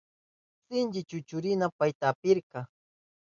Sinchi chukchurina payta apirka.